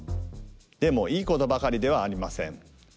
でもいいことばかりではありません。